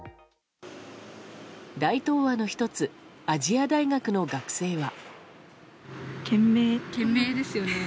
大東亜の１つ亜細亜大学の学生は。